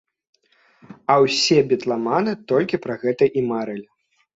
А ўсе бітламаны толькі пра гэта і марылі.